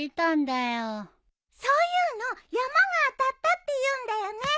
そういうのヤマが当たったって言うんだよね。